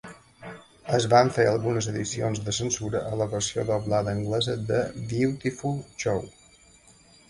Es van fer algunes edicions de censura a la versió doblada anglesa de "Viewtiful Joe".